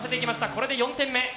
これで４点目。